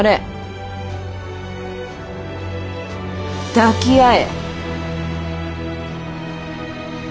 抱き合え！